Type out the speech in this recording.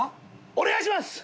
お願いします！